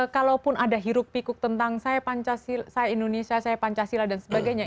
kalaupun ada hirup pikuk tentang saya indonesia saya pancasila dan sebagainya